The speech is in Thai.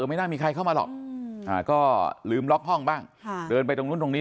ไม่น่ามีใครเข้ามาหรอกก็ลืมล็อกห้องบ้างเดินไปตรงนู้นตรงนี้